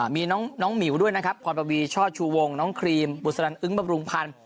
มีน้องหมิวด้วยนะครับพรปวีช่อชูวงน้องครีมบุษลันอึ้งบำรุงพันธ์